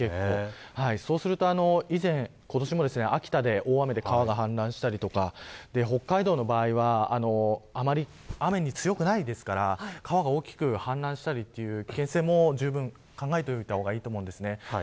そうすると以前今年も秋田で川が氾濫したり北海道の場合はあまり雨に強くないので川が氾濫したりという危険性もじゅうぶん考えた方がいいです。